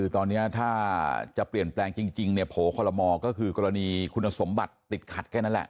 ตอนนี้ถ้าจะเปลี่ยนแปลงจริงเนี่ยโผล่คอลโมก็คือกรณีคุณสมบัติติดขัดแค่นั้นแหละ